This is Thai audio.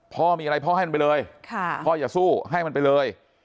พ่อมีอะไรพ่อให้มันไปเลยพ่ออย่าสู้ให้มันไปเลย